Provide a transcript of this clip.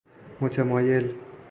متمایل